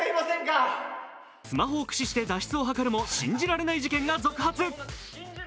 スマホを駆使して脱出を図るも信じられない事件が続発。